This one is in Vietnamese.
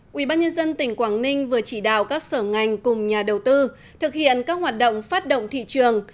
quỹ bác nhân dân tỉnh quảng ninh vừa chỉ đạo các sở ngành cùng nhà đầu tư thực hiện các hoạt động phát động thị trường